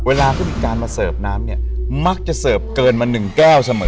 เวลาเขามีการมาเสิร์ฟน้ำเนี่ยมักจะเสิร์ฟเกินมา๑แก้วเสมอ